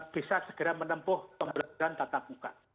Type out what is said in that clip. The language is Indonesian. bisa segera menempuh pembelajaran tetap buka